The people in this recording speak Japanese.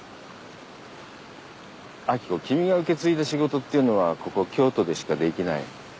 明子君が受け継いだ仕事っていうのはここ京都でしかできない。